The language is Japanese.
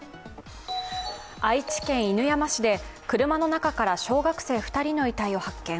愛知県犬山市で車の中から小学生２人の遺体を発見。